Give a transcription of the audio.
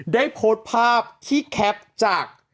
ได้โพสต์ภาพที่แคปจาก